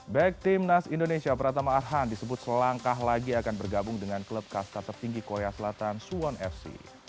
back timnas indonesia pratama arhan disebut selangkah lagi akan bergabung dengan klub kasta tertinggi korea selatan suwon fc